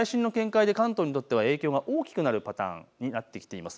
関東にとっては影響が大きくなるパターンになってきています。